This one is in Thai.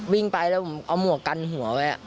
วิ่งไปแล้วผมเอาหมวกกันหัวไว้